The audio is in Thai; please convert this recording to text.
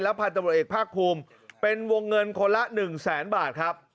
และพันธุบัตรเอกภาคภูมิเป็นวงเงินคนละหนึ่งแสนบาทครับ